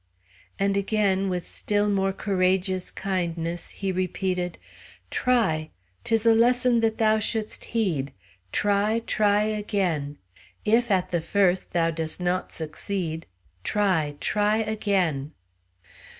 And again, with still more courageous kindness, he repeated, "Try! 'Tis a lesson that thou shouldest heed try, try again. If at the first thou doest not succeed, try, try again."